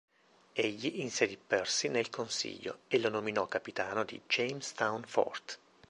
Egli inserì Percy nel Consiglio e lo nominò capitano di "Jamestown fort".